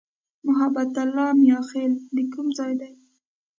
محبت الله "میاخېل" د کوم ځای دی؟